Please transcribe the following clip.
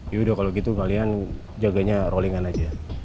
yaudah kalau gitu kalian jaganya rolingan aja